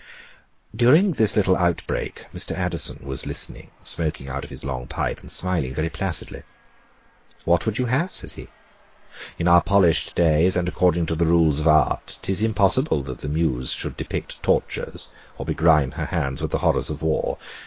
During this little outbreak, Mr. Addison was listening, smoking out of his long pipe, and smiling very placidly. "What would you have?" says he. "In our polished days, and according to the rules of art, 'tis impossible that the Muse should depict tortures or begrime her hands with the horrors of war.